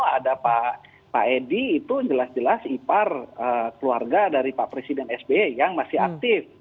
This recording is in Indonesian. ada pak edi itu jelas jelas ipar keluarga dari pak presiden sbe yang masih aktif